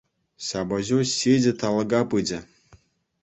Ҫапӑҫу ҫичӗ талӑка пычӗ.